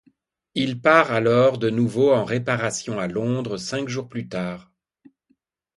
Il part alors de nouveau en réparation à Londres cinq jours plus tard.